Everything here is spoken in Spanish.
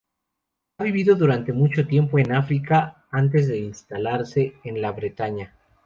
Ha vivido durante mucho tiempo en África, antes de instalarse en la Bretaña.